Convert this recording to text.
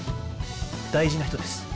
大事な人です。